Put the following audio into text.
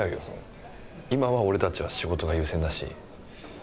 今は俺たちは仕事が優先だし。